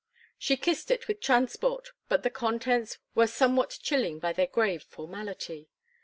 She kissed it with transport, but the contents were somewhat chilling by their grave formality.